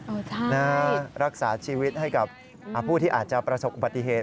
อ๋อใช่นะรักษาชีวิตให้กับผู้ที่อาจจะประสบปฏิเหตุ